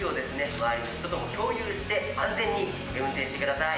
周りの人とも共有して安全に運転してください。